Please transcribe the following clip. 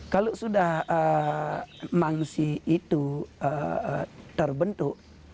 kalau sudah mangsi itu terbentuk